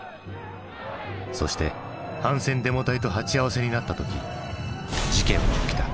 そして反戦デモ隊と鉢合わせになった時事件は起きた。